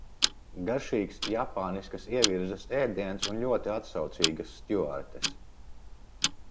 Garšīgs japāniskas ievirzes ēdiens un ļoti atsaucīgas stjuartes.